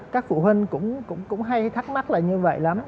các phụ huynh cũng hay thắc mắc là như vậy lắm